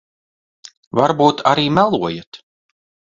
Varbūt arī melojat.